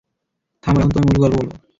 থামো, এখন তোমায় মূল গল্প বলব?